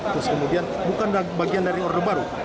terus kemudian bukan bagian dari orde baru